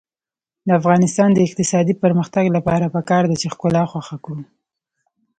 د افغانستان د اقتصادي پرمختګ لپاره پکار ده چې ښکلا خوښه کړو.